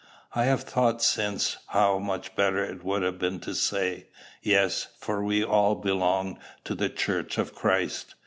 I have thought since how much better it would have been to say, "Yes: for we all belong to the church of Christ."